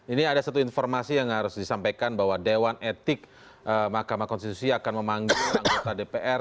ini ada satu informasi yang harus disampaikan bahwa dewan etik mahkamah konstitusi akan memanggil anggota dpr